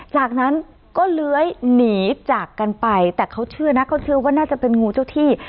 จากนั้นก็เลื้อยหนีจากกันไปแต่เขาเชื่อนะเขาเชื่อว่าน่าจะเป็นงูเจ้าที่